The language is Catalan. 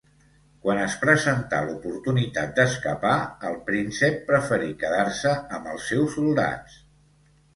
Quan es presentà l'oportunitat d'escapar, el príncep preferí quedar-se amb els seus soldats.